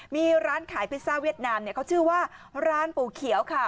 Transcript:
มีร้านขายพิซซ่าเวียดนามเขาชื่อว่าร้านปู่เขียวค่ะ